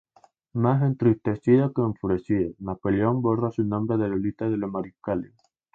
Más entristecido que enfurecido, Napoleón borra su nombre de la lista de los mariscales.